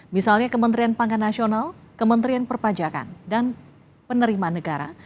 misalnya kementerian pangan nasional kementerian perpajakan dan penerimaan negara